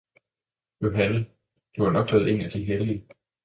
Johanne, Du er nok blevet en af de hellige!